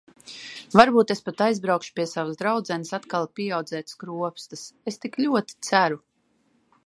Varbūt es pat aizbraukšu pie savas draudzenes atkal pieaudzēt skropstas... Es tik ļoti ceru!